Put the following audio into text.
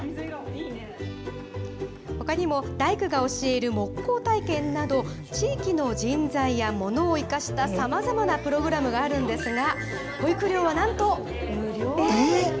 ほかにも大工が教える木工体験など、地域の人材やものを生かしたさまざまなプログラムがあるんですが、保育料はなんと無料。